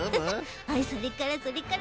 それからそれから。